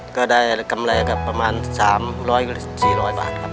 ก็ได้กำไรก็ประมาณ๓๐๐๔๐๐บาทครับ